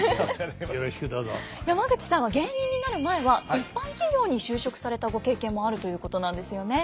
山口さんは芸人になる前は一般企業に就職されたご経験もあるということなんですよね。